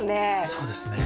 そうですね